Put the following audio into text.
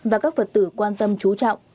và các vật tử quan tâm trú trọng